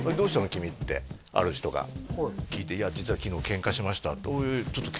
君」ってある人が聞いて「いや実は昨日ケンカしました」